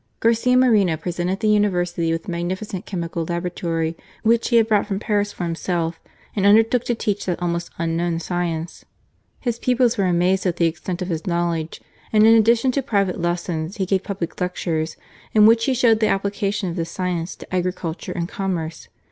Garcia Moreno pre sented the University with a magnificent chemical laboratory which he had brought from Paris for him self, and undertook to teach that almost unknown science. His pupils were amazed at the extent of his knowledge : and in addition to private lessons, he gave public lectures, in which he showed the application of this science to agriculture and com merce.